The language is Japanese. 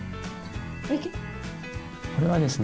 これはですね